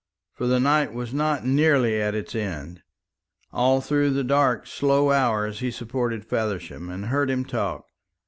For the night was not nearly at its end. All through the dark slow hours he supported Feversham and heard him talk.